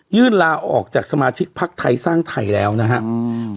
ลาออกจากสมาชิกพักไทยสร้างไทยแล้วนะฮะอืม